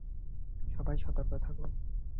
সবাই, সতর্ক থাকো।